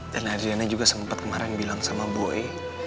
dan adriana juga sempat kemarin bilang sama boy